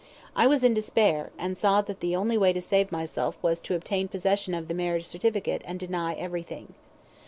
I was in despair, and saw that the only way to save myself was to obtain possession of the marriage certificate and deny everything.